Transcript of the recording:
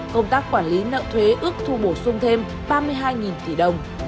công tác quản lý nợ thuế ước thu bổ sung thêm ba mươi hai tỷ đồng